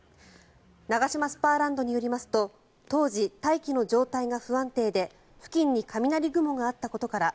ナガシマスパーランドによりますと当時、大気の状態が不安定で付近に雷雲があったことから